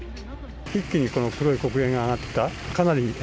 一気にこの黒い黒煙が上がってきた。